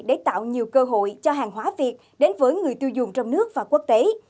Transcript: để tạo nhiều cơ hội cho hàng hóa việt đến với người tiêu dùng trong nước và quốc tế